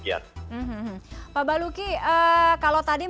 mekanisme pengelolaan dana haji yang sudah disetor atau sudah disetor